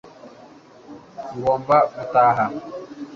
ngomba gutaha